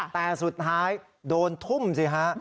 แต่สุดท้ายโดนทุ่มสิฮะ